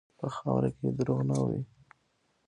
په خاوره کې دروغ نه وي.